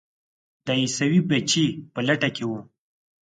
د عیسوي بچي په لټه کې وم.